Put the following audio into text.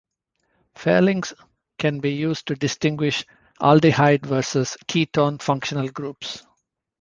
Fehling's can be used to distinguish aldehyde versus ketone functional groups.